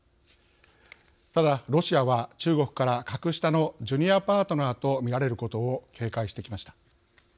ただ、ロシアは中国から格下のジュニアパートナーと見られることを警戒してきました。